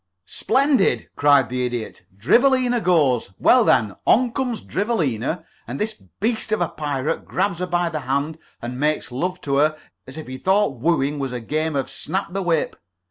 "Splendid!" cried the Idiot. "Drivelina goes. Well, then, on comes Drivelina, and this beast of a pirate grabs her by the hand and makes love to her as if he thought wooing was a game of snap the whip.